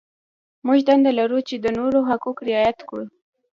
موږ دنده لرو چې د نورو حقوق رعایت کړو.